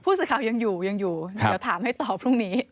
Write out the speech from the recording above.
ผู้สื่อข่าวยังอยู่เดี๋ยวถามให้ตอบพรุ่งนี้